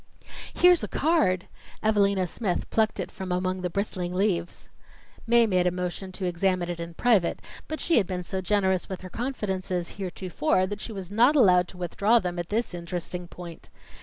"Here's a card!" Evalina Smith plucked it from among the bristling leaves. Mae made a motion to examine it in private, but she had been so generous with her confidences heretofore, that she was not allowed to withdraw them at this interesting point.